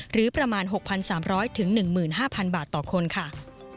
หรือประมาณ๖๓๐๐๑๕๐๐บาทต่อคนค่ะ